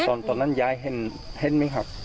ตอนนั้นยายเห็นไหมครับ